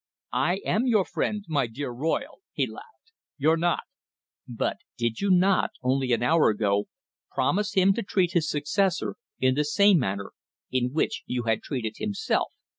"I am your friend, my dear Royle!" he laughed. "You're not." "But did you not, only an hour ago, promise him to treat his successor in the same manner in which you had treated himself?"